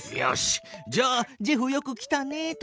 じゃあ「ジェフよく来たね」と言う。